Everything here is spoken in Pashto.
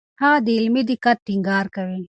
هغه د علمي دقت ټینګار کوي.